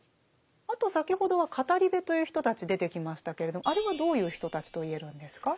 あと先ほどは語部という人たち出てきましたけれどあれはどういう人たちと言えるんですか？